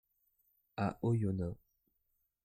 À Oyonnax.